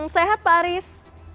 sehat pak aris